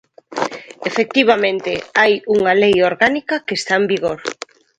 Efectivamente, hai unha lei orgánica que está en vigor.